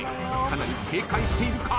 かなり警戒しているか？